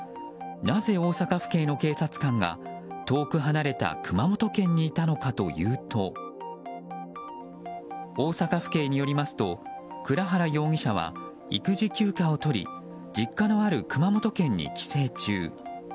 なぜ大阪府警の警察官が遠く離れた熊本県にいたのかというと大阪府警によりますと倉原容疑者は育児休暇を取り実家のある熊本県に帰省中。